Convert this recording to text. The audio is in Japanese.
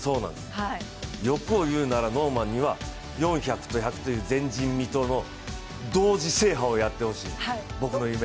欲を言うならノーマンには４００と１００の前人未到の同時制覇をやってほしい僕の夢です。